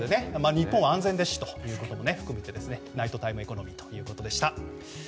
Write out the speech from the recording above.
日本は安全ですしということも含めてナイトタイムエコノミーということでした。